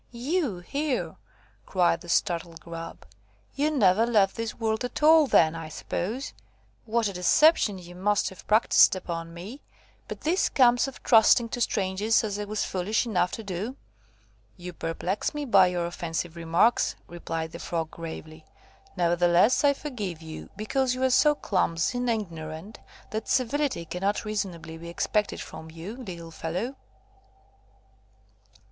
"You here!" cried the startled Grub; "you never left this world at all, then, I suppose. What a deception you must have practised upon me! But this comes of trusting to strangers, as I was foolish enough to do." "You perplex me by your offensive remarks," replied the Frog, gravely. "Nevertheless, I forgive you, because you are so clumsy and ignorant, that civility cannot reasonably be expected from you, little fellow.